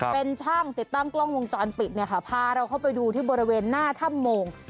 เป็นช่างติดตั้งกล้องวงจรปิดเนี่ยค่ะพาเราเข้าไปดูที่บริเวณหน้าถ้ำโมง